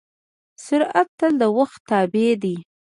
سرعت تل د وخت تابع دی.